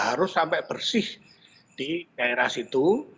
harus sampai bersih di daerah situ